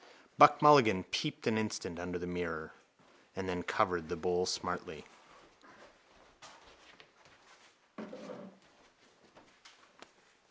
Buck Mulligan peeped an instant under the mirror and then covered the bowl smartly.